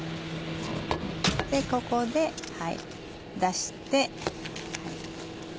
ここで出して。